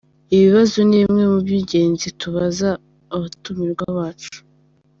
Ibi bibazo ni bimwe mu by’ingenzi tubaza abatumirwa bacu.